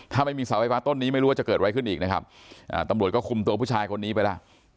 ถ้าไม่มีเสาไฟฟ้าต้นนี้ไม่รู้ว่าจะเกิดอะไรขึ้นอีกนะครับตำรวจก็คุมตัวผู้ชายคนนี้ไปแล้ว